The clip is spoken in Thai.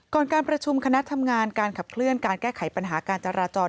การประชุมคณะทำงานการขับเคลื่อนการแก้ไขปัญหาการจราจร